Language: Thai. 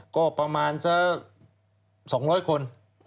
ก็ประมาณสัก๒๐๐คน